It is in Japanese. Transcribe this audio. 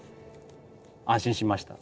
安心しました。